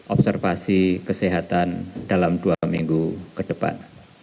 observasi kesehatan dalam dua minggu ke depan